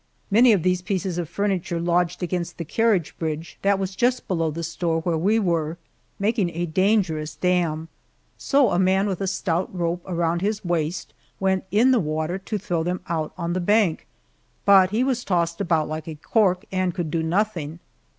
Many of these pieces of furniture lodged against the carriage bridge that was just below the store where we were, making a dangerous dam, so a man with a stout rope around his waist went in the water to throw them out on the bank, but he was tossed about like a cork, and could do nothing.